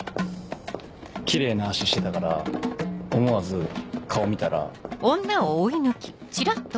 キレイな脚してたから思わず顔見たら。